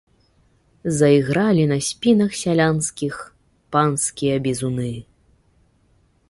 Заігралі па спінах сялянскіх панскія бізуны.